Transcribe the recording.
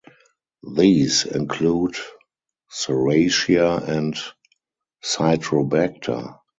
These include "Serratia" and "Citrobacter".